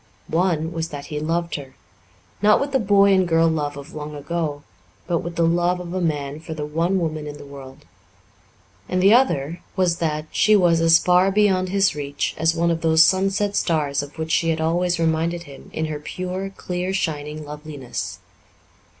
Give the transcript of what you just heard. One was that he loved her not with the boy and girl love of long ago, but with the love of a man for the one woman in the world; and the other was that she was as far beyond his reach as one of those sunset stars of which she had always reminded him in her pure, clear shining loveliness.